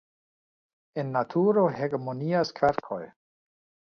En naturo hegemonias kverkoj.